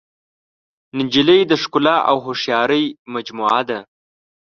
نجلۍ د ښکلا او هوښیارۍ مجموعه ده.